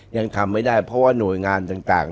ยังทำไม่ได้เพราะว่าหน่วยงานต่าง